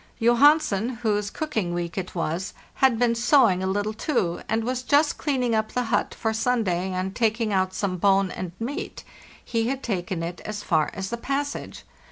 Johansen, whose cooking week it was, had been sewing a little too, and was just cleaning up the hut for Sunday and taking out some bone and meat—he had taken it as far as the passage.